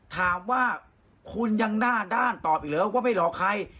ถามว่าคุณยังหน้าด้านตอบอีกเหรอว่าไม่หลอกใคร